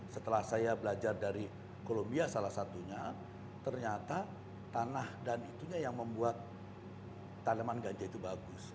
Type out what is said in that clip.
setelah saya belajar dari kolombia salah satunya ternyata tanah dan itunya yang membuat tanaman ganja itu bagus